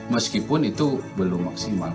meskipun itu belum maksimal